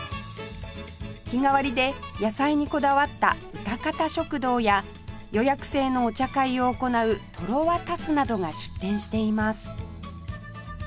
日替わりで野菜にこだわったうたかた食堂や予約制のお茶会を行うトロワ・タスなどが出店しています